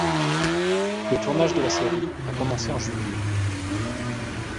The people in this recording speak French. Le tournage de la série a commencé en juillet.